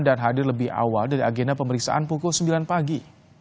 dan hadir lebih awal dari agenda pemeriksaan pukul sembilan pagi